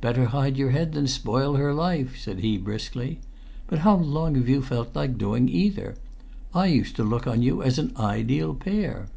"Better hide your head than spoil her life," said he briskly. "But how long have you felt like doing either? I used to look on you as an ideal pair."